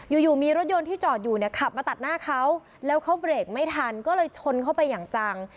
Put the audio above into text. อยู่อยู่มีรถยนต์ที่จอดอยู่เนี่ยขับมาตัดหน้าเขาแล้วเขาเบรกไม่ทันก็เลยชนเข้าไปอย่างจัง